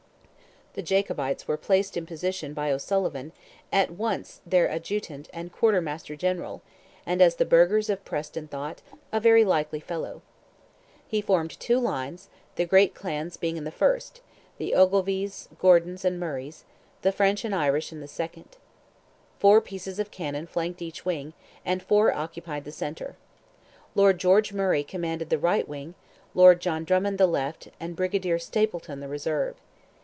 '" The Jacobites were placed in position by O'Sullivan, "at once their adjutant and quarter master general," and, as the burghers of Preston thought, "a very likely fellow." He formed two lines, the great clans being in the first, the Ogilvies, Gordons, and Murrays; the French and Irish in the second. Four pieces of cannon flanked each wing, and four occupied the centre. Lord George Murray commanded the right wing, Lord John Drummond the left, and Brigadier Stapleton the reserve.